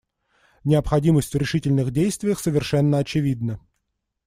Необходимость в решительных действиях совершенно очевидна.